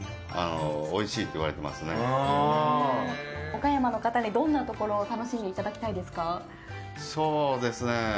岡山の方にどんなところを楽しんでいただきたいですか。